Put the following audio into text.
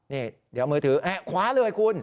นี่เดี๋ยวมือถือคว้าเลยคุณ